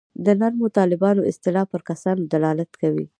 د نرمو طالبانو اصطلاح پر کسانو دلالت کوي.